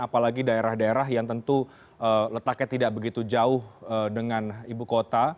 apalagi daerah daerah yang tentu letaknya tidak begitu jauh dengan ibu kota